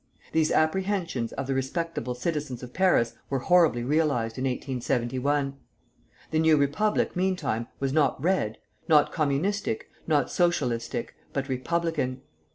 These apprehensions of the respectable citizens of Paris were horribly realized in 1871. The new Republic, meantime, was not Red, not Communistic, not Socialistic, but Republican.